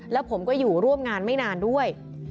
แล้วผมก็อยู่ร่วมงานไม่นานด้วย